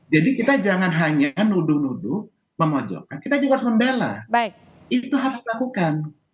kita jangan hanya nuduh nuduh memojokkan kita juga harus membela itu harus dilakukan